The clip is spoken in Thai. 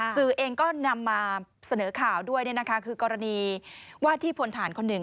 สื่อเองก็นำมาเสนอข่าวด้วยคือกรณีว่าที่พลฐานคนหนึ่ง